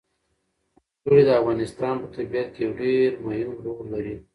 وګړي د افغانستان په طبیعت کې یو ډېر مهم رول لري.